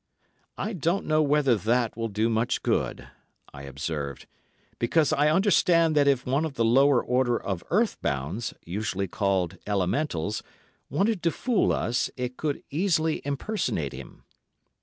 "I don't know whether that will do much good," I observed. "Because I understand that if one of the lower order of earthbounds, usually called Elementals, wanted to 'fool' us, it could easily impersonate him.